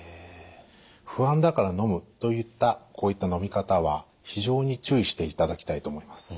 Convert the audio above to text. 「不安だからのむ」といったこういったのみ方は非常に注意していただきたいと思います。